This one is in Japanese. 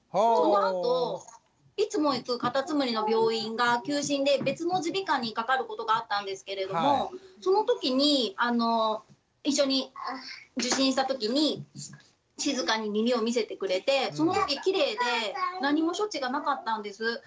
そのあといつも行くかたつむりの病院が休診で別の耳鼻科にかかることがあったんですけれどもそのときに一緒に受診したときに静かに耳を見せてくれてそのとききれいで何も処置がなかったんです。